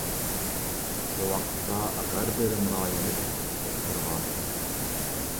شۇ ۋاقىتتا غەربىي رىم رايونى تەھدىتكە ئۇچرىغانىدى.